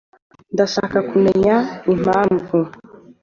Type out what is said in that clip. Ndashaka kumenya impamvu.